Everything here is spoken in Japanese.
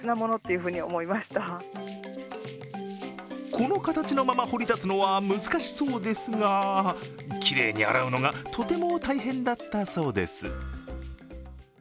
この形のまま掘り出すのは難しそうですが、きれいに洗うのがとても大変だったそうです。